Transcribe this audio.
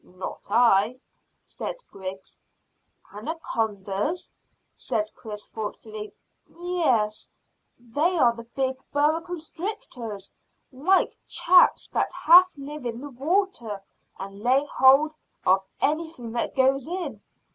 "Not I," said Griggs. "Anacondas," said Chris thoughtfully. "Yes, they are the big boa constrictor like chaps that half live in the water, and lay hold of anything that goes in.